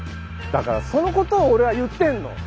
だからそのことを俺は言ってんの。